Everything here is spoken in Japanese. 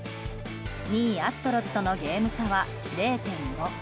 ２位アストロズとのゲーム差は０．５。